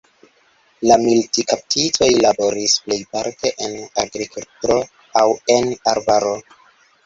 La militkaptitoj laboris plejparte en agrikltro aŭ en arbaro.